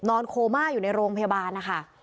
โคม่าอยู่ในโรงพยาบาลนะคะ